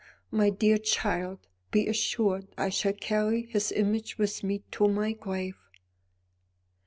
My dear child, be assured I shall carry his image with me to my grave."